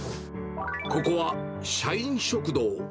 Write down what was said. ここは社員食堂。